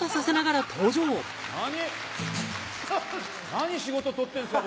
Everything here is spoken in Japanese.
何仕事取ってるんですか？